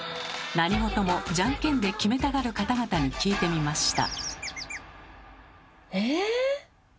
何事もじゃんけんで決めたがる方々に聞いてみました。